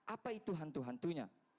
apa itu hantu hantunya